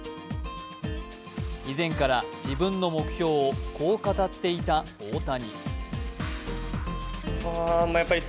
以前から自分の目標をこう語っていた大谷。